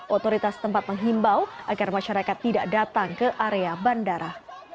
otoritas tempat menghimbau agar masyarakat tidak datang ke area bandara